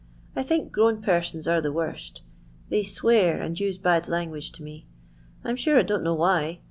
I think grown persons are the worst They swear and use bad language to me, I 'm sure I don 't know why.